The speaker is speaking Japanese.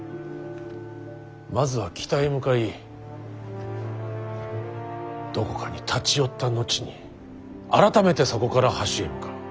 まずは北へ向かいどこかに立ち寄った後に改めてそこから橋へ向かう。